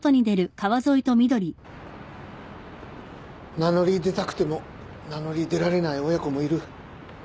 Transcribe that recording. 名乗り出たくても名乗り出られない親子もいる。